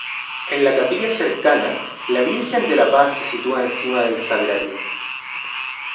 En la capilla cercana la Virgen de la Paz se sitúa encima del Sagrario.